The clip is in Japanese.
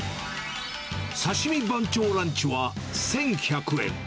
刺し身番長ランチは１１００円。